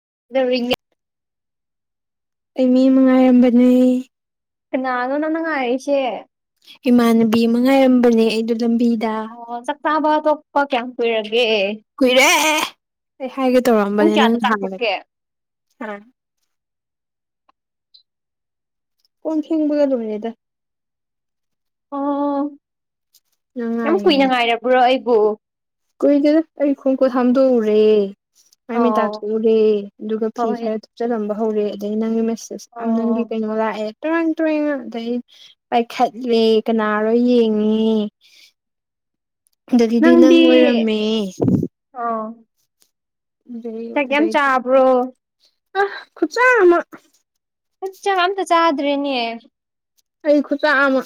[unintelligible] ꯑꯩ ꯃꯤ ꯑꯃ ꯉꯥꯏꯔꯝꯕꯅꯦ ꯀꯅꯅꯣ ꯅꯪꯅ ꯉꯌꯤꯁꯦ ꯏꯃꯥꯟꯅꯕꯤ ꯑꯃ ꯉꯥꯏꯔꯝꯕꯅꯦ ꯑꯩꯗꯣ ꯂꯝꯕꯤꯗ ꯑꯣ ꯆꯥꯛ ꯆꯥꯕ ꯇꯣꯛꯄ ꯀꯌꯥꯝ ꯀꯩꯏꯔ ꯀꯨꯏꯔꯦ ꯑꯩ ꯍꯥꯏꯒꯦ ꯄꯨꯡ ꯇꯧꯔꯛꯑꯝꯕꯅꯦ ꯀꯌꯥꯗ ꯅꯪꯍꯥꯟ ꯆꯥꯛꯊꯣꯛꯀꯦ ꯑꯥ ꯀꯣꯟ ꯐꯦꯡꯕꯒ ꯂꯣꯏꯔꯦꯗ ꯑꯣ ꯅꯪ ꯌꯥꯝ ꯀꯨꯏꯅ ꯉꯥꯏꯔꯤꯉꯩꯗ ꯉꯥꯏꯔꯕ꯭ꯔꯣ ꯑꯩꯕꯨ ꯀꯨꯏꯗꯦꯗ ꯑꯩ ꯈꯣꯡꯀꯨꯠ ꯍꯥꯝꯗꯣꯛꯎꯔꯦ ꯃꯥꯏ ꯃꯤ ꯑꯣ ꯇꯥꯊꯣꯛꯎꯔꯦ ꯑꯗꯨꯒ ꯐꯤ ꯍꯣꯏ ꯈꯔ ꯊꯨꯞꯆꯜꯂꯝꯕ ꯍꯧꯔꯦ ꯑꯗꯒꯤ ꯅꯪꯒꯤ ꯑꯁ ꯑꯁ ꯑꯥꯝ ꯅꯪꯒꯤ ꯑꯣ ꯀꯩꯅꯣ ꯂꯥꯛꯑꯦ ꯇꯔꯦꯡ ꯇꯨꯔꯦꯟꯅ ꯑꯗꯩ ꯄꯥꯏꯈꯠꯂꯦ ꯀꯅꯥꯔꯣ ꯌꯦꯡꯉꯦ ꯑꯗꯒꯤꯗꯤ ꯅꯪꯗꯤ ꯅꯪ ꯑꯣꯏꯔꯝꯃꯦ ꯑꯣ ꯑꯗꯩ ꯆꯥꯛ ꯌꯥꯝ ꯆꯥꯕ꯭ꯔꯣ ꯑꯥ ꯈꯨꯆꯥ ꯑꯃ ꯆꯥꯛ ꯑꯝꯇ ꯆꯥꯗ꯭ꯔꯦꯅꯦ ꯑꯩ ꯈꯨꯆꯥ ꯑꯃ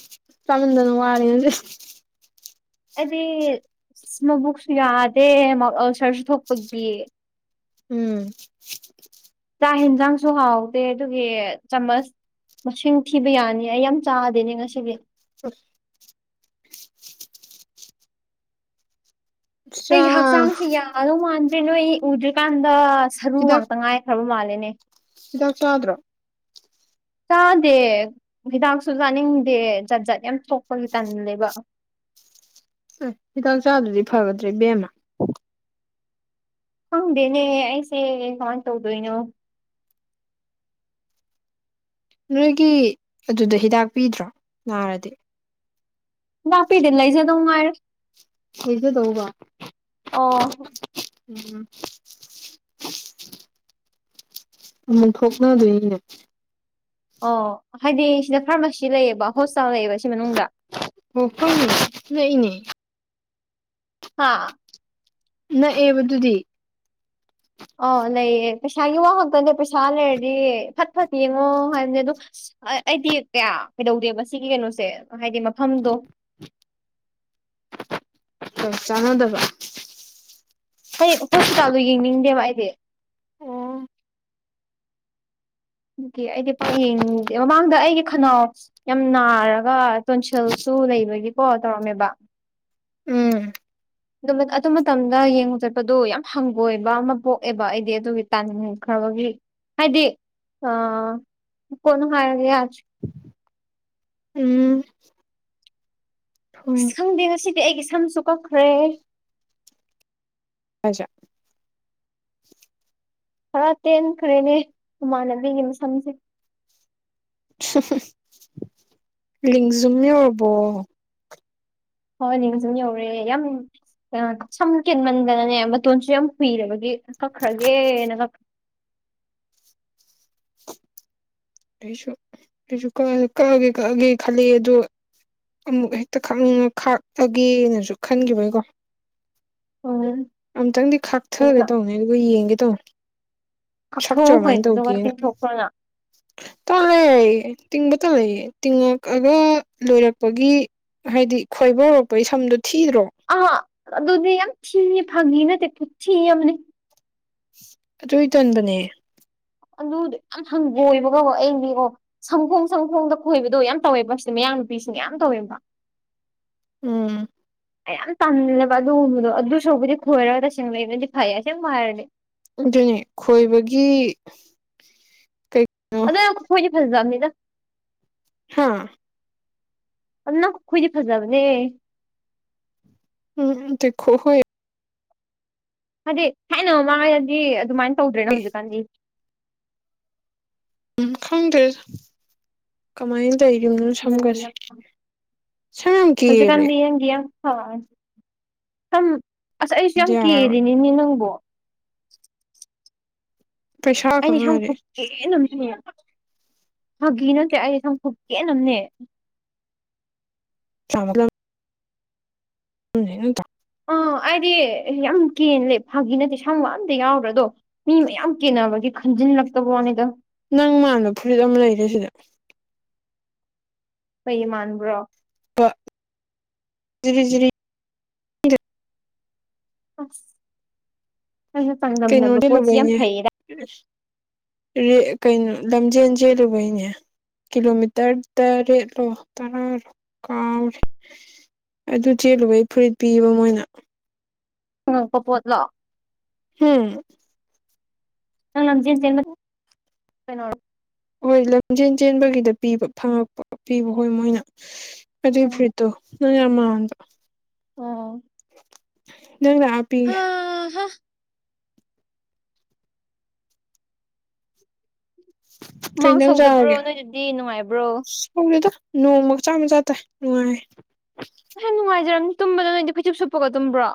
ꯆꯥꯃꯟꯗꯅ ꯋꯥꯔꯦ ꯉꯁꯤ ꯑꯩꯗꯤ ꯃꯕꯨꯛꯁꯨ ꯌꯥꯗꯦ ꯃꯥꯎꯠ ꯑꯜꯁꯔꯁꯨ ꯊꯣꯛꯄꯒꯤ ꯎꯝ ꯆꯥꯛ ꯍꯦꯟꯖꯥꯡꯁꯨ ꯍꯥꯎꯗꯦ ꯑꯗꯨꯒꯤ ꯆꯥꯃꯁ ꯃꯁꯤꯡ ꯊꯤꯕ ꯌꯥꯅꯤ ꯑꯩ ꯌꯥꯝ ꯆꯥꯗꯦꯍꯦ ꯉꯁꯤꯗꯤ [inaudible] ꯑꯩꯒꯤ ꯆꯥ ꯍꯛꯆꯥꯡꯁꯦ ꯌꯥꯗꯧ ꯃꯥꯟꯗ꯭ꯔꯦ ꯅꯣꯏ ꯎꯗ꯭ꯔꯤꯀꯥꯟꯗ ꯁꯔꯨ ꯍꯤꯗꯥꯛ ꯉꯥꯛꯇ ꯉꯥꯏ ꯈ꯭ꯔꯥꯕ ꯃꯥꯂꯦꯅꯦ ꯍꯤꯗꯥꯛ ꯆꯥꯗ꯭ꯔꯣ ꯆꯥꯗꯦ ꯍꯤꯗꯥꯛꯁꯨ ꯆꯥꯅꯤꯡꯗꯦ ꯖꯥꯠ ꯖꯥꯠ ꯌꯥꯝ ꯇꯣꯛꯄꯒꯤ ꯇꯜꯂꯦꯕ ꯑꯥ ꯍꯤꯗꯥꯛ ꯆꯥꯗ꯭ꯔꯗꯤ ꯐꯒꯗ꯭ꯔꯥ ꯏꯕꯦꯝꯃ ꯈꯪꯗꯦꯅꯦ ꯑꯩꯁꯦ ꯀꯃꯥꯢ ꯇꯧꯗꯣꯏꯅꯣ ꯅꯣꯏꯒꯤ ꯑꯗꯨꯗ ꯍꯤꯗꯥꯛ ꯄꯤꯗ꯭ꯔꯣ ꯅꯥꯔꯗꯤ ꯍꯤꯗꯥꯛ ꯄꯤꯗꯦ ꯂꯩꯖꯗꯧ ꯉꯥꯢꯔꯦ [unintelligible] ꯑꯣ ꯎꯝ ꯑꯃꯨꯛ ꯊꯣꯛꯅꯗꯣꯢꯅꯤꯅꯦ ꯑꯣ ꯍꯥꯏꯗꯤ ꯁꯤꯗ ꯐꯥꯔꯃꯥꯁꯤ ꯂꯩꯌꯦꯕ ꯍꯣꯁꯇꯥꯜ ꯂꯩꯌꯦꯕ ꯁꯤ ꯃꯅꯨꯡꯗ [unintelligible] ꯍꯥꯥ ꯅꯛꯑꯦꯕꯗꯨꯗꯤ ꯑ ꯂꯩꯌꯦ ꯄꯩꯁꯥꯒꯤ ꯋꯥ ꯈꯛꯇꯅꯦ ꯄꯩꯁꯥ ꯂꯩꯔꯗꯤ ꯐꯠ ꯐꯠ ꯌꯦꯡꯉꯣ ꯍꯥꯏꯕꯅꯦ ꯑꯗꯨ ꯑꯩꯗꯤ ꯀꯌꯥ ꯀꯩꯗꯧꯗꯦꯕ ꯁꯤꯒꯤ ꯀꯩꯅꯣꯁꯦ ꯍꯥꯏꯗꯤ ꯃꯐꯝꯗꯣ ꯑ ꯆꯥꯅꯗꯕ꯭ꯔ ꯑꯩ ꯍꯣꯁꯄꯤꯇꯥꯜꯗꯣ ꯌꯦꯡꯅꯤꯡꯗꯦꯕ ꯑꯩꯗꯤ ꯑꯣ ꯗꯨꯒꯤ ꯑꯩꯗꯤ ꯄꯥꯛ ꯌꯦꯡꯅꯤ ꯃꯃꯥꯡꯗ ꯑꯩꯒꯤ ꯈꯅꯥꯎ ꯌꯥꯝ ꯅꯥꯔꯒ ꯇꯣꯟꯁꯤꯜꯁꯨ ꯂꯩꯕꯒꯤꯀꯣ ꯇꯧꯔꯝꯃꯦꯕ ꯎꯝ ꯑꯗꯨ ꯑꯗꯨ ꯃꯇꯝꯗ ꯌꯦꯡꯕ ꯆꯠꯄꯗꯣ ꯌꯥꯝ ꯍꯪꯒꯣꯏꯕ ꯑꯃ ꯄꯣꯛꯑꯦꯕ ꯑꯩꯗꯤ ꯑꯗꯨꯒꯤ ꯇꯟꯈ꯭ꯔ ꯕꯒꯤ ꯍꯥꯢꯗꯤ ꯑ ꯀꯣꯟꯅ ꯍꯥꯏꯔꯒꯦ ꯌꯥꯗ꯭ꯔꯦ ꯎꯝ ꯍꯣꯏ ꯈꯪꯗꯦ ꯉꯁꯤꯗꯤ ꯑꯩꯒꯤ ꯁꯝꯁꯨ ꯀꯛꯈ꯭ꯔꯦ [unintelligible] ꯈꯔ ꯇꯦꯟꯈ꯭ꯔꯦꯅꯦ ꯃꯃꯥꯟꯅꯕꯤꯒꯤ ꯃꯁꯝꯁꯦ ꯂꯤꯡꯖꯨꯝ ꯌꯧꯔꯕꯣ ꯍꯣ ꯂꯦꯡꯖꯨꯝ ꯌꯧꯔꯦ ꯌꯥꯝ ꯑꯥ ꯁꯝ ꯀꯦꯟꯃꯟꯗꯅꯅꯦ ꯃꯇꯣꯟꯁꯨ ꯌꯥꯝ ꯍꯨꯏꯔꯕꯒꯤ ꯀꯛꯈ꯭ꯔꯒꯦꯅ ꯀꯛ ꯑꯩꯁꯨ ꯑꯩꯁꯨ ꯀꯛꯑ ꯀꯛꯑꯒꯦ ꯀꯛꯑꯒꯦ ꯈꯜꯂꯦ ꯑꯗꯣ ꯑꯃꯨꯛ ꯍꯦꯛꯇ ꯈꯥꯛꯅꯤꯡꯉ ꯈꯥꯛꯄꯒꯦꯅꯁꯨ ꯈꯟꯒꯤꯕꯒꯤꯀꯣ ꯎꯝ ꯑꯝꯇꯪꯗꯤ ꯈꯥꯛꯊꯒꯦ ꯇꯧꯝꯅꯦ ꯑꯗꯨꯒ ꯌꯦꯡꯒꯦ ꯇꯧꯝꯅꯦ ꯁꯛꯁꯦ ꯀꯛꯊꯣꯛꯈꯣꯏ ꯀꯃꯥꯏꯟ ꯑꯗꯨꯒ ꯇꯧꯒꯦꯅ ꯇꯤꯡꯊꯣꯛꯈ꯭ꯔꯣꯅ ꯇꯜꯂꯦ ꯇꯤꯡꯕ ꯇꯜꯂꯦ ꯇꯤꯡꯉꯛꯑꯒ ꯂꯣꯏꯔꯛꯄꯒꯤ ꯍꯥꯏꯗꯤ ꯈꯣꯏꯕ ꯍꯧꯔꯛꯄꯒꯤ ꯁꯝꯗꯨ ꯊꯤꯗ꯭ꯔꯣ ꯑꯥ ꯑꯗꯨꯗꯤ ꯌꯥꯝ ꯊꯤꯌꯦ ꯐꯥꯒꯤ ꯅꯠꯇꯦ ꯈꯨꯊꯤꯑꯃꯅꯦ ꯑꯗꯨꯏ ꯇꯟꯕꯅꯦ ꯑꯗꯨꯗꯣ ꯌꯥꯝ ꯍꯪꯒꯣꯏꯕꯀꯣ ꯑꯩꯗꯤ ꯀꯣ ꯁꯝꯈꯣꯡ ꯁꯝꯈꯣꯡꯗ ꯈꯣꯏꯕꯗꯣ ꯌꯥꯝ ꯇꯧꯋꯦꯕ ꯁꯤꯗ ꯃꯌꯥꯡ ꯅꯨꯄꯤꯁꯤꯡ ꯌꯥꯝ ꯇꯧꯋꯦꯕ ꯎꯝ ꯑꯩ ꯌꯥꯝ ꯇꯟꯂꯦꯕ ꯑꯗꯨꯒꯨꯝꯕꯗꯣ ꯑꯗꯨ ꯁꯛꯄꯨꯗꯤ ꯈꯣꯏꯔꯒ ꯇꯁꯦꯡꯅ ꯂꯩꯕꯅꯗꯤ ꯐꯩꯌꯦ ꯑꯁꯦꯡ ꯍꯥꯏꯔꯗꯤ ꯑꯗꯨꯅꯦ ꯈꯣꯏꯕꯒꯤ ꯀꯩꯅꯣ ꯑꯗꯣ ꯈꯨꯈꯣꯢꯗꯤ ꯐꯖꯗꯝꯅꯤꯗ ꯍꯥꯥ ꯑꯗꯨ ꯅꯪ ꯈꯨꯈꯣꯏꯗꯤ ꯐꯖꯕꯅꯦ ꯎꯝ [unintelligible] ꯍꯥꯏꯗꯤ ꯊꯥꯏꯅ ꯃꯃꯥꯡꯉꯩꯗꯗꯤ ꯑꯗꯨꯃꯥꯏꯟ ꯇꯧꯗ꯭ꯔꯦꯅ ꯍꯧꯖꯤꯛꯀꯥꯟꯗꯤ ꯎꯝ ꯈꯪꯗ꯭ꯔꯦꯗ ꯀꯃꯥꯏꯟ ꯆꯩ ꯌꯨꯝꯗ ꯍꯟꯗꯛꯇꯤ ꯁꯝꯒꯁꯦ ꯌꯥꯝ ꯁꯝ ꯌꯥꯝ ꯀꯦꯜꯂꯦ ꯍꯥ ꯁꯝ ꯑꯁ ꯑꯩꯁꯨ ꯑꯗꯨ ꯌꯥꯝ ꯌꯥꯔꯣꯏ ꯀꯦꯜꯂꯤꯅꯤꯅꯦ ꯅꯪꯕꯣ ꯄꯩꯁꯥ ꯈꯛ ꯑꯩꯩꯅ ꯁꯝ ꯉꯥꯏꯔꯦ ꯈꯨꯀꯦꯜꯑꯃꯅꯤ ꯐꯒꯤ ꯅꯠꯇꯦ ꯑꯩ ꯁꯝꯈꯨꯀꯦꯟ ꯑꯃꯅꯦ ꯑ ꯃꯂ [unintelligible] ꯎꯝ [unintelligible] ꯑꯥ ꯑꯩꯗꯤ ꯌꯥꯝ ꯀꯦꯟꯂꯦ ꯐꯥꯒꯤ ꯅꯠꯇꯦ ꯁꯝꯒ ꯑꯝꯇ ꯌꯥꯎꯈꯗ꯭ꯔꯦꯗꯣ ꯃꯤ ꯃꯌꯥꯝ ꯀꯦꯟꯅꯕꯒꯤ ꯈꯟꯖꯟ ꯂꯥꯛꯇꯕꯋꯥꯅꯤꯗ ꯅꯪ ꯃꯥꯟꯕ ꯐꯨꯔꯤꯠ ꯑꯃ ꯂꯩꯔꯦ ꯁꯤꯗ ꯐꯩ ꯃꯥꯟꯕ꯭ꯔꯣ ꯑꯔꯤ [unintelligible] ꯑꯁ ꯑꯩꯒ ꯀꯩꯅꯣ ꯆꯥꯡꯗꯝꯅꯕ ꯄꯣꯠꯁꯤ ꯌꯥꯝ ꯂꯨꯕꯩꯅꯦ ꯐꯩꯌꯦꯗ ꯀꯩꯅꯣ ꯂꯝꯖꯦꯟ ꯆꯦꯜꯂꯨꯕꯩꯅꯦ ꯀꯤꯂꯣꯃꯤꯇꯔ ꯇꯔꯦꯠꯂꯣ ꯇꯔꯥꯔꯣ ꯀꯥꯎꯔꯦ ꯑꯗꯨ ꯆꯦꯜꯂꯨꯕꯩ ꯐꯨꯔꯤꯠ ꯄꯤꯌꯦꯕ ꯃꯣꯏꯅ ꯐꯪꯉꯛꯄ ꯄꯣꯠꯂꯣ ꯍꯝ ꯅꯪ ꯂꯝꯖꯦꯟ ꯆꯦꯟꯕ ꯀꯩꯅꯣꯔꯣ ꯍꯣꯏ ꯂꯝꯖꯦꯟ ꯆꯦꯟꯕꯒꯤꯗ ꯄꯤꯕ ꯐꯪꯉꯛꯄ ꯄꯤꯕ ꯍꯣꯏ ꯃꯣꯏꯅ ꯑꯗꯨꯏ ꯎꯝ ꯐꯨꯔꯤꯠꯇꯣ ꯅꯪ ꯌꯝ ꯃꯟꯕꯥ ꯑꯣ ꯅꯪ ꯂꯥꯛꯑꯄꯤꯒꯦ ꯑꯍꯥ ꯍꯨꯃꯥꯡ ꯀꯩꯏꯟꯁꯪ ꯆꯥꯔꯒꯦ ꯁꯧꯗꯕ꯭ꯔꯣ ꯅꯣꯏꯗꯗꯤ ꯅꯨꯡꯉꯥꯏꯕ꯭ꯔꯣ ꯁ ꯈꯪꯗꯦꯗ ꯅꯣꯡꯃ ꯃꯆꯥ ꯃꯆꯥ ꯇꯏ ꯅꯨꯡꯉꯥꯏ ꯑꯌꯥ ꯅꯨꯡꯉꯥꯏꯖꯔꯝꯅꯤ ꯇꯨꯝꯕꯗ ꯅꯣꯏꯗꯤ ꯐꯩꯖꯨꯞ ꯁꯨꯞꯄꯒ ꯇꯨꯝꯕ꯭ꯔꯣ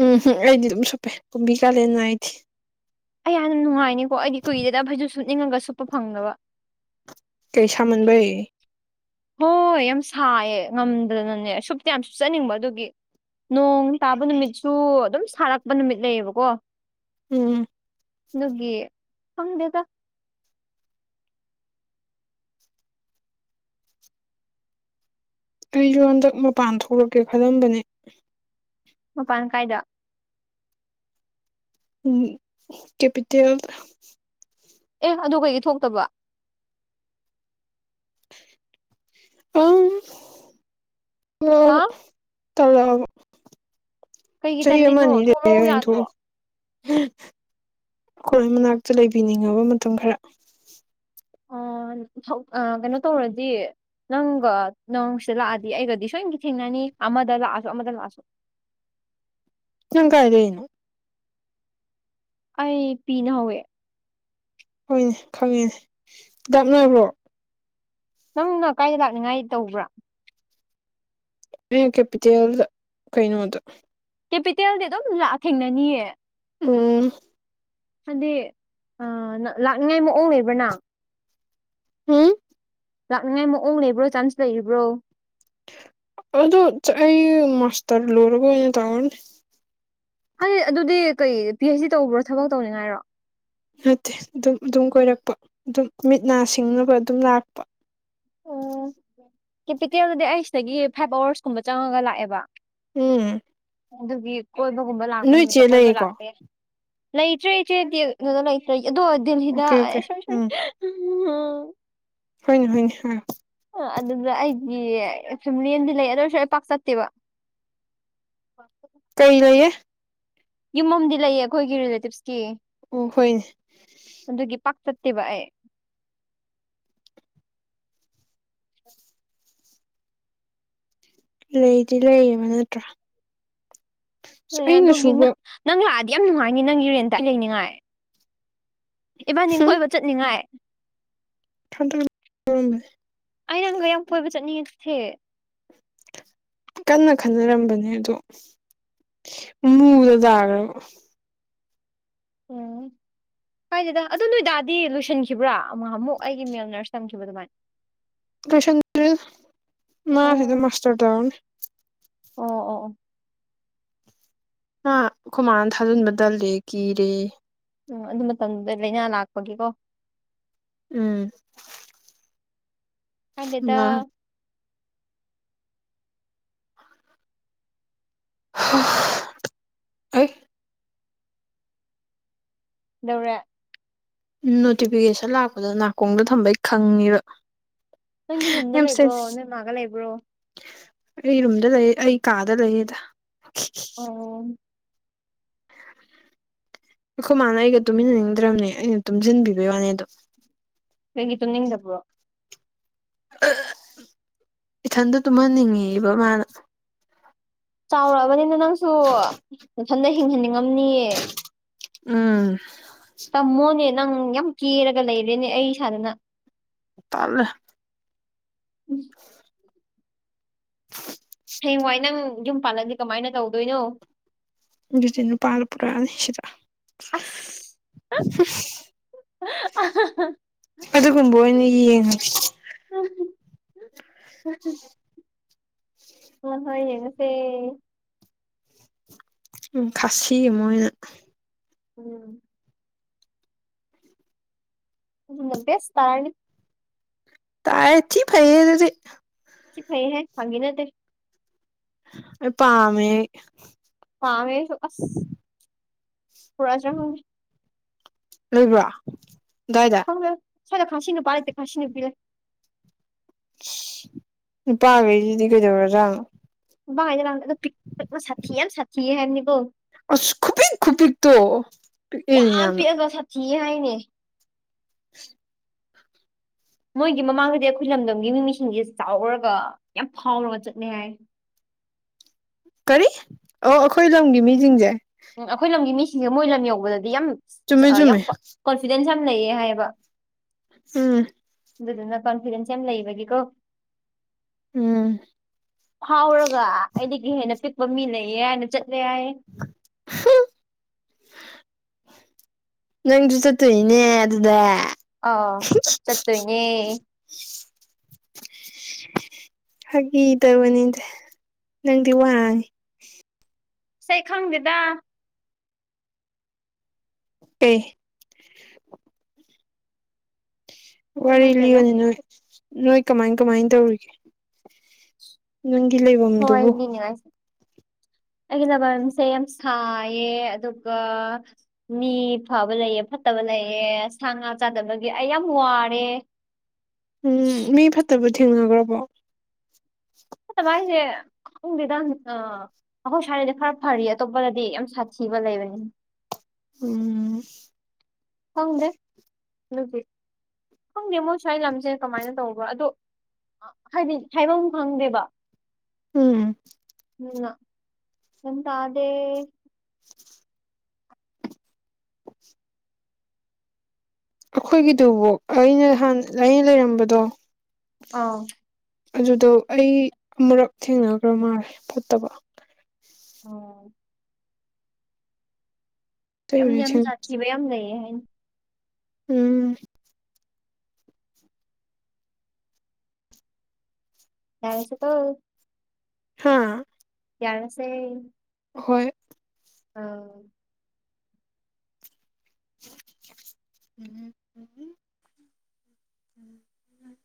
ꯎꯝ ꯍꯪ ꯑꯩꯗꯤ ꯑꯗꯨꯝ ꯁꯨꯞꯄꯦ ꯀꯨꯝꯕꯤ ꯀꯥꯂꯦꯟ ꯅꯏꯗꯦ ꯑꯩꯌꯥ ꯅꯨꯡꯉꯥꯏꯅꯤꯀꯣ ꯑꯩꯗꯤ ꯀꯨꯏꯔꯦꯗ ꯐꯩꯖꯨꯞ ꯁꯨꯞꯅꯤꯡꯉꯒ ꯁꯨꯞꯄ ꯐꯪꯗꯕ ꯀꯩꯁꯥꯃꯟꯕꯩ ꯍꯣꯏ ꯌꯥꯝ ꯁꯥꯏꯌꯦ ꯉꯝꯗꯅꯅꯦ ꯁꯨꯞꯇꯤ ꯌꯥꯝ ꯁꯨꯞꯆꯠꯅꯤꯡꯕ ꯑꯗꯨꯒꯤ ꯅꯣꯡ ꯇꯥꯕ ꯅꯨꯃꯤꯠꯁꯨ ꯑꯗꯨꯝ ꯁꯥꯔꯛꯄ ꯅꯨꯃꯤꯠ ꯂꯩꯌꯦꯕꯀꯣ ꯎꯝ ꯑꯗꯨꯒꯤ ꯈꯪꯗꯦꯗ ꯑꯩꯁꯨ ꯍꯟꯗꯛ ꯃꯄꯥꯟ ꯊꯣꯛꯂꯛꯀꯦ ꯈꯜꯂꯝꯕꯅꯦ ꯃꯄꯥꯟ ꯀꯥꯏꯗ ꯀꯦꯄꯤꯇꯦꯜ ꯗꯥ ꯑꯦ ꯑꯗꯨ ꯀꯩꯒꯤ ꯊꯣꯛꯇꯕ ꯑꯥ ꯍꯥ ꯇꯜꯂꯕꯥ ꯇꯜꯂꯛꯑꯕ ꯀꯩꯒꯤ ꯆꯍꯤ ꯇꯜꯂꯤꯅꯣ ꯑꯃꯑꯅꯤ ꯂꯩꯔ ꯊꯣꯛꯂꯛꯎ ꯑꯣꯏꯅ ꯌꯥꯗ꯭ꯔꯣ ꯊꯣꯛꯑꯒꯦ ꯈꯣꯏ ꯃꯅꯥꯛꯇ ꯂꯩꯕꯤꯅꯤꯡꯉꯕ ꯃꯇꯝ ꯈꯔꯥ ꯑ ꯥꯥꯊꯣꯛ ꯑꯥ ꯀꯩꯅꯣ ꯇꯧꯔꯗꯤ ꯅꯪꯒ ꯅꯪꯁꯤꯗ ꯂꯥꯛꯑꯗꯤ ꯑꯩꯒꯗꯤ ꯁꯣꯏꯗꯀꯤ ꯊꯦꯡꯅꯅꯤ ꯑꯃꯗ ꯂꯥꯛꯑꯁꯨ ꯑꯃꯗ ꯂꯥꯛꯑꯁꯨ [inaudible] ꯅꯪ ꯀꯥꯏ ꯂꯩꯅꯣ ꯑꯩ ꯄꯤꯅ ꯍꯧꯋꯦ ꯍꯣꯏꯅꯦ ꯈꯪꯉꯤꯅꯦ ꯗꯥꯛꯅꯣꯏꯕ꯭ꯔꯣ ꯅꯪꯅ ꯀꯥꯏꯗ ꯂꯥꯛꯅꯤꯉꯥꯏ ꯇꯧꯕ꯭ꯔꯥ ꯔꯦꯠ ꯀꯦꯄꯤꯇꯦꯜꯗ ꯀꯩꯩꯅꯣꯗ ꯀꯦꯄꯤꯇꯦꯜꯗꯤ ꯑꯗꯨꯝ ꯂ ꯊꯦꯡꯅꯅꯤꯌꯦ ꯎꯝ ꯍꯥꯏꯗꯤ ꯂꯥꯛꯅꯤꯡꯉꯥꯏ ꯃꯑꯣꯡ ꯂꯩꯕ꯭ꯔ ꯅꯪ ꯍꯝ ꯂꯥꯛꯅꯤꯡꯉꯥꯏ ꯃꯑꯣꯡ ꯂꯩꯕ꯭ꯔꯣ ꯆꯥꯟꯁ ꯂꯩꯔꯤꯕ꯭ꯔꯣ ꯑꯗꯣ ꯑꯩ ꯃꯥꯁꯇꯔ ꯂꯣꯏꯔꯒ ꯑꯣꯏꯅ ꯇꯧꯔꯅꯤ ꯍꯥꯏ ꯑꯗꯨꯗꯤ ꯀꯩ ꯄꯤ ꯑꯩꯩꯆ ꯗꯤ ꯇꯧꯕ꯭ꯔꯣ ꯊꯕꯛ ꯇꯧꯅꯤꯡꯉꯥꯏꯔꯣ ꯅꯠꯇꯦ ꯑꯗꯨꯝ ꯑꯗꯨꯝ ꯀꯣꯏꯔꯛꯄ ꯑꯗꯨꯝ ꯃꯤꯠ ꯅꯥ ꯁꯤꯡꯅꯕ ꯑꯗꯨꯝ ꯂꯥꯛꯄ ꯀꯦꯄꯤꯇꯦꯜꯗꯨꯗꯤ ꯑꯩ ꯁꯤꯗꯒꯤ ꯐꯥꯏꯚ ꯑꯋꯥꯔꯁ ꯀꯨꯝꯕ ꯆꯪꯉꯒ ꯂꯥꯛꯑꯦꯕ ꯎꯝ ꯑꯗꯨꯒꯤ ꯀꯣꯏꯕꯒꯨꯝꯕ ꯂꯥꯛꯄ ꯅꯣꯏ ꯆꯦ ꯅꯨꯃꯤꯠꯇ ꯀꯣꯏꯕ ꯂꯩꯌꯦꯀꯣ ꯂꯥꯛꯄ ꯌꯥꯏ ꯂꯩꯇ꯭ꯔꯦ ꯏꯆꯦꯗꯤ ꯑꯗꯨꯗ ꯂꯩꯇ꯭ꯔꯦ ꯑꯗꯣ ꯗꯜꯍꯤꯗ ꯑꯣꯀꯦ ꯑꯣꯀꯦ ꯑꯩ ꯁꯣꯔꯤ ꯁꯣꯔꯤ ꯎꯝ ꯎꯝ ꯍꯪ ꯍꯣꯏꯅꯦ ꯍꯣꯏꯅꯦ ꯑꯥ ꯑꯗꯨꯗ ꯑꯩꯒꯤ ꯐꯦꯃꯤꯂꯤ ꯑꯃꯗꯤ ꯂꯩ ꯑꯗꯨ ꯑꯣꯏꯔꯁꯨ ꯑꯩ ꯄꯥꯛ ꯆꯠꯇꯦꯕ [inaudible] ꯀꯩ ꯂꯩꯌꯦ ꯌꯨꯝ ꯑꯃꯗꯤ ꯂꯩꯌꯦ ꯑꯩꯈꯣꯏꯒꯤ ꯔꯤꯂꯦꯇꯤꯞꯁꯀꯤ ꯑꯣ ꯍꯣꯏꯅꯦ ꯑꯗꯨꯒꯤ ꯄꯥꯛ ꯆꯠꯇꯦꯕ ꯑꯩ ꯂꯩꯗꯤ ꯂꯩꯌꯦꯕ ꯅꯠꯇ꯭ꯔꯥ ꯑꯁ ꯑꯩꯅ ꯑꯗꯨꯒꯤ ꯁꯨꯕ ꯅꯪ ꯅꯪ ꯂꯥꯛꯑꯗꯤ ꯌꯥꯝ ꯅꯨꯡꯉꯥꯏꯅꯤ ꯅꯪꯒꯤ ꯔꯦꯟꯇ ꯑꯩ ꯂꯩꯅꯤꯉꯥꯏ ꯏꯕꯥꯅꯤ ꯀꯣꯏꯕ ꯆꯠꯅꯤꯡꯉꯥꯏ ꯊꯗ ꯎꯔꯝꯃꯦ ꯑꯩ ꯅꯪꯒ ꯌꯥꯝ ꯀꯣꯏꯕ ꯆꯠꯅꯤꯡꯉꯦ ꯁꯦ ꯀꯟꯅ ꯈꯟꯅꯔꯝꯕꯅꯦ ꯑꯣꯗꯣ ꯃꯨꯗ ꯇꯥꯈ꯭ꯔꯕ ꯎꯝ ꯀꯥꯏꯗꯦꯗ ꯑꯗꯨ ꯅꯣꯏꯗꯥꯗꯤ ꯂꯣꯏꯁꯤꯟꯈꯤꯕ꯭ꯔꯥ ꯅꯍꯥꯟꯃꯨꯛ ꯑꯩꯒꯤ ꯃꯦꯜ ꯅꯔꯁ ꯇꯝꯈꯤꯕ ꯑꯗꯨꯃꯥꯏꯅ ꯂꯣꯏꯁꯟꯗ꯭ꯔꯦꯗ ꯃꯥ ꯁꯤꯗ ꯑꯣ ꯃꯥꯁꯇꯔ ꯇꯧꯔꯅꯤ ꯑꯣ ꯑꯣ ꯑꯣ ꯃꯥ ꯑꯈꯣꯏꯃꯥꯅ ꯊꯥꯖꯤꯟꯕ ꯇꯜꯂꯦ ꯀꯤꯔꯦꯌꯦ ꯎꯝ ꯑꯗꯨ ꯃꯇꯝꯗꯩꯗ ꯂꯩꯏꯅꯥ ꯂꯥꯛꯄꯒꯤꯀꯣ ꯎꯝ ꯍꯥꯏꯗꯦꯗ ꯃꯥ ꯑꯩ ꯀꯩꯗꯧꯔꯦ ꯅꯣꯇꯤꯐꯤꯀꯦꯁꯟ ꯂꯥꯛꯄꯗꯣ ꯅꯀꯣꯡꯗ ꯊꯝꯕꯩ ꯈꯪꯉꯤꯕ ꯅꯪꯒꯤ ꯔꯨꯝꯗ ꯂꯩꯕ꯭ꯔꯣ ꯅꯣꯏ ꯃꯥꯒ ꯂꯩꯕ꯭ꯔꯣ ꯑꯩ ꯔꯨꯝꯗ ꯂꯩ ꯑꯩ ꯀꯥꯗ ꯂꯩꯌꯦꯗ ꯑꯣ ꯑꯈꯣꯏ ꯃꯥꯅ ꯑꯩꯒ ꯇꯨꯝꯃꯤꯟꯅꯅꯤꯡꯗ꯭ꯔꯕꯅꯦ ꯑꯩꯅ ꯇꯨꯝꯁꯤꯟꯕꯤꯕꯩ ꯋꯥꯅꯤ ꯑꯗꯣ ꯅꯪꯗꯤ ꯇꯨꯝꯅꯤꯡꯗꯕꯣ ꯏꯊꯟꯗ ꯇꯨꯝꯍꯟꯅꯤꯡꯉꯤꯕ ꯃꯥꯅ ꯆꯥꯎꯔꯛꯑꯕꯅꯤꯅ ꯅꯪꯁꯨ ꯅꯊꯟꯗ ꯍꯤꯡꯍꯟꯅꯤꯡꯉꯝꯅꯤꯌꯦ ꯎꯝ ꯇꯝꯃꯣꯅꯦ ꯅꯪ ꯌꯥꯝ ꯀꯦꯔꯒ ꯂꯩꯔꯦꯅꯦ ꯑꯩ ꯁꯥꯗꯅ ꯇꯜꯂꯦ ꯎꯝ ꯍꯌꯦꯡꯋꯥꯏ ꯅꯪ ꯌꯨꯝ ꯄꯥꯜꯂꯗꯤ ꯀꯃꯥꯏꯅ ꯇꯧꯗꯣꯏꯅꯣ ꯑꯗꯨꯗꯤ ꯅꯨꯄꯥꯗꯣ ꯄꯨꯔꯛꯑꯅꯤ ꯁꯤꯗ ꯑꯁ ꯑꯗꯨꯒꯨꯝꯕ ꯑꯣꯏꯅ ꯌꯦꯡꯉꯒꯦ [unintelligible] ꯍꯣ ꯍꯣꯏ ꯌꯦꯡꯉꯁꯦ ꯎꯝ ꯈꯥꯁꯤ ꯑꯃ ꯑꯣꯏꯅ ꯎꯝ ꯑꯗꯨꯅ ꯕꯦꯁ ꯇꯥꯔꯅꯤ ꯇꯥꯏꯌꯦ ꯊꯤ ꯐꯩꯍꯦ ꯑꯗꯨꯗꯤ ꯁꯤ ꯐꯩ ꯍꯦ ꯐꯥꯒꯤ ꯅꯠꯇꯦ ꯑꯩ ꯄꯥꯝꯃꯦ ꯑꯩ ꯄꯥꯃꯦ ꯑꯩꯁꯨ ꯑꯁ ꯄꯨꯔꯛꯑꯁꯤꯔ ꯈꯪꯗꯦ ꯂꯩꯕ꯭ꯔꯣ ꯑꯗꯥꯥꯏꯗ ꯁꯥꯏꯗ ꯈꯥꯁꯤ ꯅꯨꯄꯥ ꯂꯩꯇꯦ ꯈꯥꯁꯤ ꯅꯨꯄꯤ ꯂꯩ ꯅꯨꯄꯥꯒꯩꯖꯤꯗꯤ ꯀꯩꯗꯧꯔꯖꯥꯅꯣ [unintelligible] ꯄꯤꯛꯇꯛꯅ ꯁꯥꯊꯤ ꯌꯥꯝ ꯁꯥꯊꯤꯌꯦ ꯍꯥꯏꯝꯅꯤꯀꯣ ꯑ꯭ꯁ ꯈꯨꯄꯤꯛ ꯈꯨꯄꯤꯛ ꯇꯣ ꯄꯤꯛꯑꯦꯅꯦ ꯌꯥꯝꯅ ꯀꯤꯌꯦ ꯍꯥꯏꯅꯦ [inaudible] ꯃꯣꯏꯒꯤ ꯃꯃꯥꯡꯗꯗꯤ ꯑꯈꯣꯏ ꯂꯝꯗꯝꯒꯤ ꯃꯤꯃꯤꯁꯤꯡꯁꯦ ꯆꯥꯎꯔꯒ ꯌꯥꯝ ꯐꯥꯎꯔꯒ ꯆꯠꯂꯦ ꯍꯥꯏꯌꯦ [inaudible] ꯏ ꯑꯣ ꯑꯈꯣꯏ ꯂꯝꯒꯤ ꯃꯤꯖꯤꯡꯖꯦ ꯎꯝ ꯑꯈꯣꯏ ꯂꯝꯒꯤ ꯃꯤꯁꯤꯡꯁꯦ ꯃꯣꯏ ꯂꯝ ꯌꯧꯕꯗꯗꯤ ꯌꯥꯝ ꯆꯨꯝꯃꯦ ꯌꯥꯝ ꯆꯨꯝꯃꯦ ꯀꯣ ꯀꯣꯟꯐꯤꯗꯦꯟꯁ ꯌꯥꯝ ꯂꯩꯌꯦ ꯍꯥꯏꯌꯦꯕ ꯑꯝ ꯑꯗꯨꯗꯨꯅ ꯀꯟꯐꯤꯗꯦꯟꯁ ꯌꯥꯝ ꯂꯩꯕꯒꯤꯀꯣ ꯎꯝ ꯐꯥꯎꯔꯒ ꯑꯩꯗꯒꯤ ꯍꯦꯟꯅ ꯄꯤꯛꯄ ꯃꯤ ꯂꯩꯌꯦ ꯍꯥꯏꯅ ꯆꯠꯂꯦ ꯍꯥꯏꯌꯦ ꯅꯪꯖꯨ ꯆꯠꯇꯣꯏꯅꯤꯅꯦ ꯑꯗꯨꯗ ꯑ ꯆꯠꯇꯣꯏꯅꯦ [inaudible] [unintelligible] ꯅꯪꯗꯤ ꯋꯥꯡꯉꯦ ꯁꯦ ꯈꯪꯗꯦꯗ ꯀꯩ ꯀꯩꯝ ꯋꯥꯔꯤ ꯅꯠꯇꯦꯗ ꯂꯤꯌꯣꯅꯦ ꯅꯣꯏ ꯅꯣꯏ ꯀꯃꯥꯏ ꯀꯃꯥꯏ ꯇꯧꯔꯤꯒꯦ ꯅꯪꯒꯤ ꯍꯣꯏ ꯂꯩꯕꯝꯗꯨꯕꯨ ꯂꯤꯅꯤꯡꯉꯥꯏꯁꯦ ꯑꯩꯒꯤ ꯂꯕꯝꯁꯦ ꯌꯥꯝ ꯁꯥꯏꯌꯦ ꯑꯗꯨꯒ ꯃꯤ ꯐꯕ ꯂꯩꯑꯦ ꯐꯠ ꯇꯕ ꯂꯩꯌꯦ ꯁꯥ ꯉꯥ ꯆꯥꯗꯕꯒꯤ ꯑꯩ ꯌꯥꯝ ꯋꯥꯔꯦ ꯎꯝ ꯃꯤ ꯐꯠꯇꯕ ꯊꯦꯡꯅꯒ꯭ꯔꯕꯣ ꯐꯠꯇꯕ ꯍꯥꯏꯖꯦ ꯈꯪꯗꯦꯗ ꯑ ꯑꯈꯣꯏ ꯁ꯭ꯋꯥꯗꯗꯤ ꯈꯔ ꯐꯔꯤ ꯑꯇꯣꯞꯄꯗꯗꯤ ꯌꯥꯝ ꯁꯥꯊꯤꯕ ꯂꯩꯕꯅꯦ ꯎꯝ ꯈꯪꯗꯦ ꯈꯪꯗꯦ ꯃꯣꯏ ꯁ꯭ꯋꯥꯏ ꯂꯝꯖꯦ ꯀꯃꯥꯏꯅ ꯇꯧꯕ ꯑꯗꯣ ꯑꯥ ꯍꯥꯏꯗꯤ ꯍꯥꯏꯕꯝ ꯈꯪꯗꯦꯕ ꯎꯪ UNINTELLIGIBLE ꯑꯩꯈꯣꯏꯒꯤꯗꯨꯕꯣ ꯑꯩꯅ ꯍꯥꯟꯅ ꯅꯩ ꯂꯩꯔꯝꯕꯗꯣ ꯑꯥꯡ ꯑꯗꯨꯗꯣ ꯑꯩ ꯑꯃꯨꯔꯛ ꯊꯦꯡꯅꯒ꯭ꯔꯥ ꯃꯥꯟꯂꯦ ꯐꯠꯇꯕ ꯑꯣꯡ ꯌꯥꯝ ꯑꯇꯩꯕꯨꯗꯤ ꯌꯥꯝ ꯖꯥꯠꯊꯤꯕ ꯌꯥꯝ ꯂꯩꯌꯦ ꯍꯥꯏ ꯎꯎꯝ ꯌꯥꯔꯖꯦ ꯀꯣ ꯍꯥꯥꯑꯥ ꯌꯥꯔ ꯁꯦ ꯍꯣꯏꯑꯦ ꯑꯪ INAUDIBLE INAUDIBLE